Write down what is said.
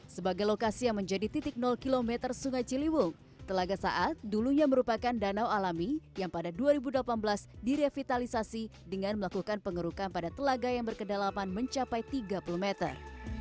sebagai lokasi yang menjadi titik km sungai ciliwung telaga saat dulunya merupakan danau alami yang pada dua ribu delapan belas direvitalisasi dengan melakukan pengerukan pada telaga yang berkedalaman mencapai tiga puluh meter